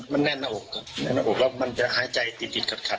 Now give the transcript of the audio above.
มันแน่นหน้าอกมันจะหายใจติดติดขัดขัด